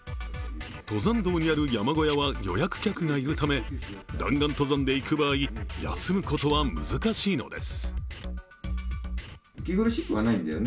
登山道にある山小屋は予約客がいるため弾丸登山で行く場合休むことは難しいのです。